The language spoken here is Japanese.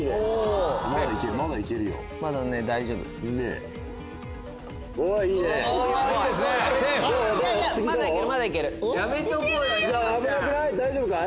大丈夫かい？